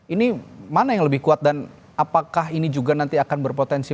ini mana yang lebih kuat dan apakah ini juga nanti akan berpotensi